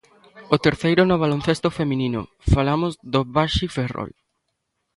O terceiro no baloncesto feminino, falamos do Baxi Ferrol.